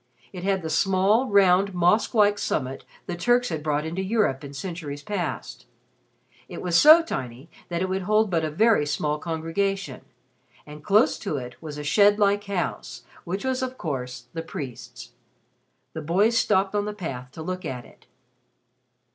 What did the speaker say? It had the small, round, mosque like summit the Turks had brought into Europe in centuries past. It was so tiny that it would hold but a very small congregation and close to it was a shed like house, which was of course the priest's. The two boys stopped on the path to look at it.